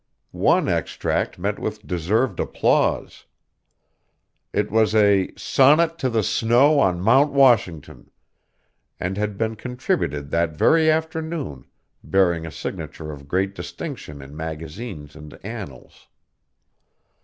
One extract met with deserved applause. It was a 'Sonnet to the Snow on Mount Washington,' and had been contributed that very afternoon, bearing a signature of great distinction in magazines and annals.